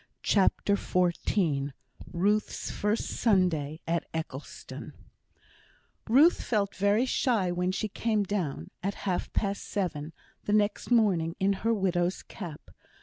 CHAPTER XIV Ruth's First Sunday at Eccleston Ruth felt very shy when she came down (at half past seven) the next morning, in her widow's cap.